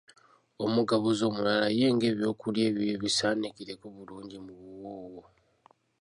Omugabuzi omulala ye ng'eby’okulya ebibye bisaanikireko bulungi mu buwuuwo.